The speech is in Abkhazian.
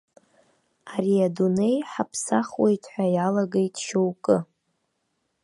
Ари адунеи ҳаԥсахуеит ҳәа иалагеит шьоукы.